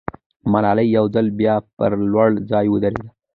ملاله یو ځل بیا پر لوړ ځای ودرېده.